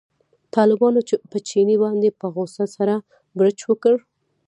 طالبانو په چیني باندې په غوسه سره بړچ وکړ.